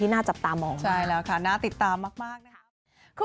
ที่น่าจับตามออกมาก